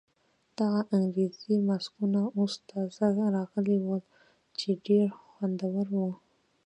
دغه انګریزي ماسکونه اوس تازه راغلي ول چې ډېر خوندور وو.